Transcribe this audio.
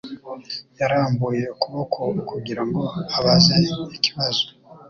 Yarambuye ukuboko kugira ngo abaze ikibazo.